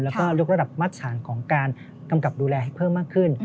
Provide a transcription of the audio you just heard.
แล้วก็ยกระดับมาตรฐานของการกำกับดูแลให้เพิ่มมากขึ้น